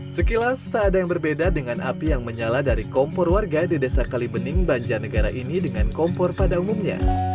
sekilas tak ada yang berbeda dengan api yang menyala dari kompor warga di desa kalibening banjarnegara ini dengan kompor pada umumnya